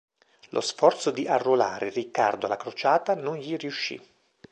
Lo sforzo di arruolare Riccardo alla crociata non gli riuscì.